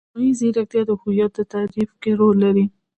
مصنوعي ځیرکتیا د هویت په تعریف کې رول لري.